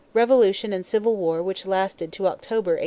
Revolution and civil war which lasted to October, 1875.